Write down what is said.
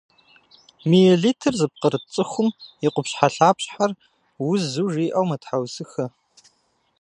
Миелитыр зыпкърыт цӏыкӏум и къупщхьэлъапщхьэр узу жиӏэу мэтхьэусыхэ.